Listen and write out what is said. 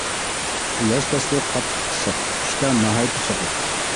ياز پەسلى قاتتىق ئىسسىق، قىشتا ناھايىتى سوغۇق.